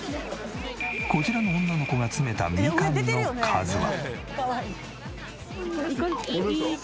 こちらの女の子が詰めたみかんの数は。